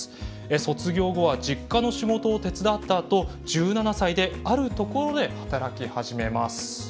卒業後は実家の仕事を手伝ったあと１７歳であるところで働き始めます。